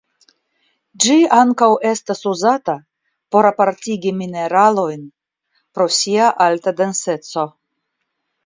Ĝi ankaŭ estas uzata por apartigi mineralojn pro sia alta denseco.